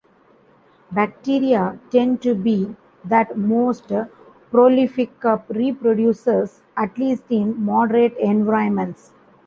Bacteria tend to be the most prolific reproducers, at least in moderate environments.